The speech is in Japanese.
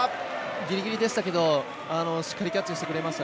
ギリギリでしたがしっかりキャッチしてくれました。